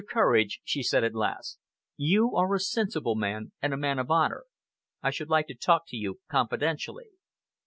Courage," she said at last, "you are a sensible man, and a man of honor. I should like to talk to you confidentially."